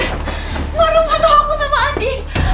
gak ada foto aku sama adi